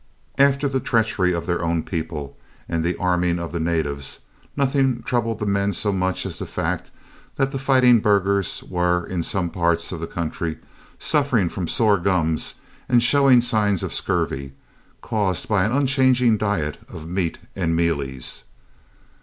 After the treachery of their own people and the arming of the natives, nothing troubled the men so much as the fact that the fighting burghers were, in some parts of the country, suffering from sore gums and showing signs of scurvy, caused by an unchanging diet of meat and mealies.